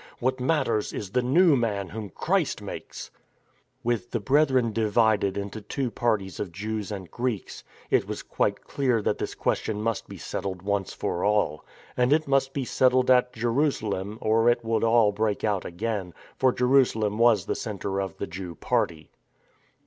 What matters is the new man whom Christ makes," With the Brethren divided into two parties of Jews and Greeks, it was quite clear that this question must be settled once for all. And it must be settled at Jeru salem or it would all break out again, for Jerusalem was the centre of the Jew party.